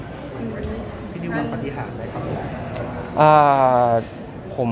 สัมผัสมากครับเขาสู้อยู่ครับ